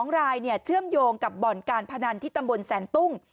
๒รายเชื่อมโยงกับบ่อนการพนันที่ตำบลแสนตุ้ง